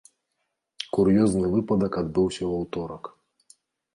Кур'ёзны выпадак адбыўся ў аўторак.